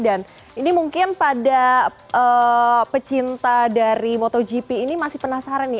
dan ini mungkin pada pecinta dari motogp ini masih penasaran nih